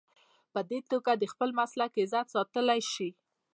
په دې توګه د خپل مسلک عزت ساتلی شي.